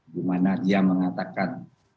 di mana dia mengatakan